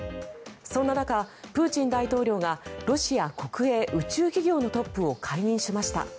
そんな中、プーチン大統領がロシア国営宇宙企業のトップを解任しました。